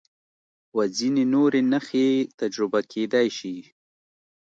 و ځینې نورې نښې تجربه کېدای شي.